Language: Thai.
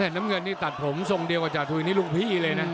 น้ำเงินนี่ตัดผมทรงเดียวกับจาทุยนี่ลุงพี่เลยนะ